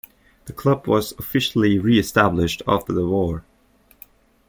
The club was officially re-established after the war.